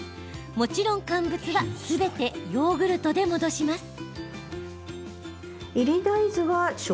もちろん乾物はすべてヨーグルトで戻します。